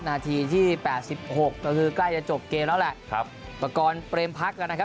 นาทีที่๘๖ก็คือกล้ายจะจบเกมแล้วแหละประกอบเตรียมพักกันนะครับ